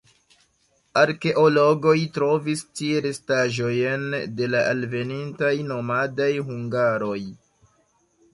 Arkeologoj trovis tie restaĵojn de la alvenintaj nomadaj hungaroj.